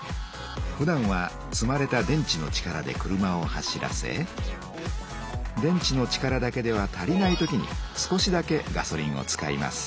ふだんは積まれた電池の力で車を走らせ電池の力だけでは足りない時に少しだけガソリンを使います。